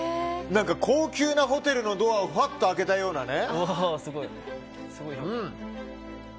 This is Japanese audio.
高級なホテルのドアをふわっと開けたようなね。